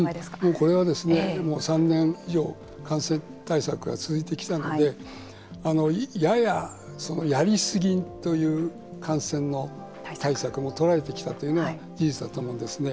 これは３年以上感染対策が続いてきたのでやややり過ぎという感染の対策もとられてきたというのは事実だと思うんですね。